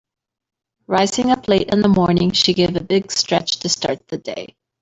Rising up late in the morning she gave a big stretch to start the day.